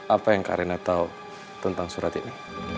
apa yang karina tahu tentang surat ini